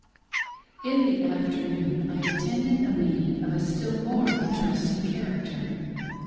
IN the afternoon I attended a meeting of a still more inter esting character.